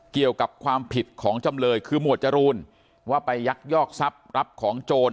เกี่ยวกับความผิดของจำเลยคือหมวดจรูนว่าไปยักยอกทรัพย์รับของโจร